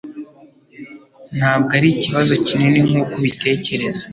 Ntabwo ari ikibazo kinini nkuko ubitekereza